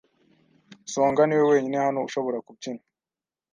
Songa niwe wenyine hano ushobora kubyina.